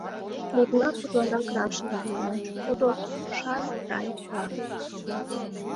— Мутна утларак раш лие, — манеш тудо Шамрайлан.